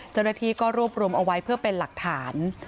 เจ้าหน้าที่ก็รวบรวมเอาไว้เพื่อเป็นหลักฐาน